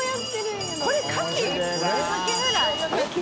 これカキ？